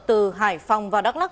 từ hải phòng và đắk lắc